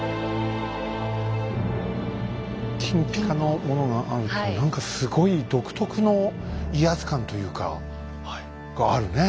金ぴかのものがあるって何かすごい独特の威圧感というかがあるね。